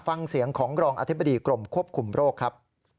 ฟังเสียงของรองอธิบดีกรมควบคุมโรคครับ